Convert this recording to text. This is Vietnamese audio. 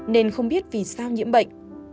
nên không biết vì sao nhiễm bệnh